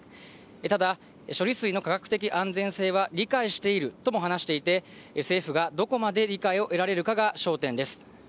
ただ、処理水の科学的安全性は理解しているとも話していて、政府がどこまで理解を得られるかが焦点です。